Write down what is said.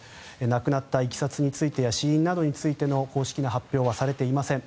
亡くなったいきさつについてや死因などについての公式な発表はされていません。